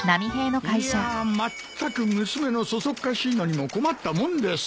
いやあまったく娘のそそっかしいのにも困ったもんです。